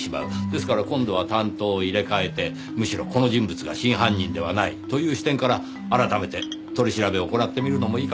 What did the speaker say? ですから今度は担当を入れ替えてむしろ「この人物が真犯人ではない」という視点から改めて取り調べを行ってみるのもいいかもしれませんねぇ。